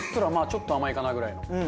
ちょっと甘いかなぐらいの。